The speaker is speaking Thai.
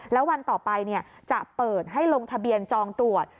แล้ววันต่อไปจะเปิดให้ลงทะเบียนจองตรวจ